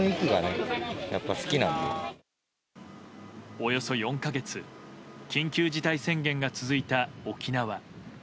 およそ４か月緊急事態宣言が続いた沖縄。